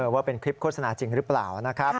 ว่าเป็นคลิปโฆษณาจริงหรือเปล่านะครับ